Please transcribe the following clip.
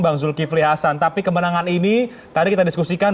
bang zulkifli hasan tapi kemenangan ini tadi kita diskusikan